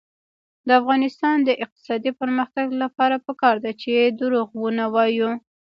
د افغانستان د اقتصادي پرمختګ لپاره پکار ده چې دروغ ونه وایو.